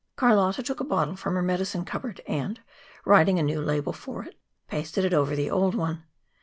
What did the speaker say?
Carlotta took a bottle from her medicine cupboard, and, writing a new label for it, pasted it over the old one.